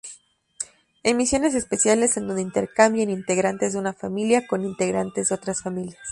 Emisiones especiales en donde intercambian integrantes de una familia con integrantes de otras familias.